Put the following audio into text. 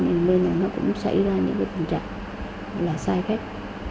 nên là nó cũng xảy ra những cái tình trạng là sai phép